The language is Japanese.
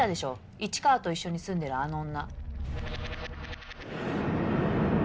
市川と一緒に住んでるあの女。